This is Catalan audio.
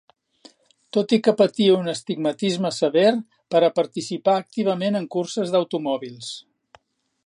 Tot i que patia un astigmatisme sever, para participar activament en curses d'automòbils.